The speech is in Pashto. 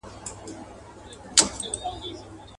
له دې غمه همېشه یمه پرېشانه.